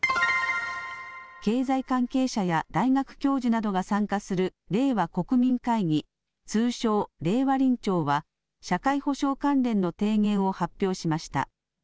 経済関係者や大学教授などが参加する令和国民会議、通称、令和臨調は、社会保障関連の提言を発表しました。